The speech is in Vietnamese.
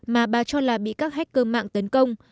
mà bà cho là bị các hacker mạng tấn công